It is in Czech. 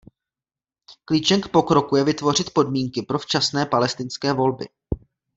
Klíčem k pokroku je vytvořit podmínky pro včasné palestinské volby.